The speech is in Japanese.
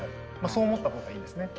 そう思ったほうがいいんですね。